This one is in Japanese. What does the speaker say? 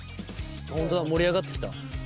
本当だ盛り上がってきた。